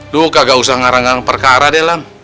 lu kagak usah ngarang ngang perkara deh lam